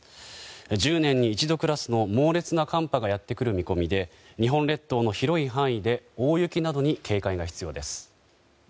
１０年に一度クラスの猛烈な寒波がやってくる見込みで日本列島の広い範囲で大雪などに警戒が必要です。